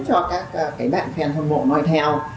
cho các bạn fan hâm mộ nói theo